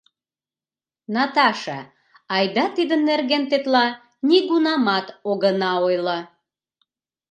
— Наташа, айда тидын нерген тетла нигунамат огына ойло.